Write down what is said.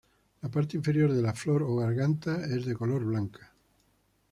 La parte interior de la flor o garganta es de color blanca.